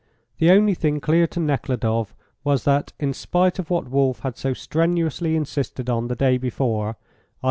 The only thing clear to Nekhludoff was that, in spite of what Wolf had so strenuously insisted on, the day before, i.